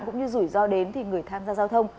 cũng như rủi ro đến thì người tham gia giao thông